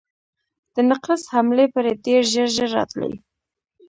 د نقرس حملې پرې ډېر ژر ژر راتلې.